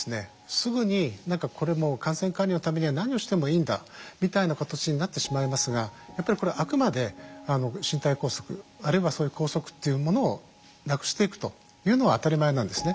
すぐに何かこれもう感染管理のためには何をしてもいいんだみたいな形になってしまいますがやっぱりこれはあくまで身体拘束あるいはそういう拘束っていうものをなくしていくというのは当たり前なんですね。